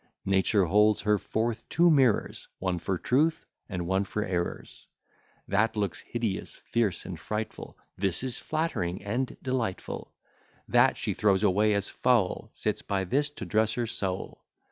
Nature holds her forth two mirrors, One for truth, and one for errors: That looks hideous, fierce, and frightful; This is flattering and delightful: That she throws away as foul; Sits by this to dress her soul.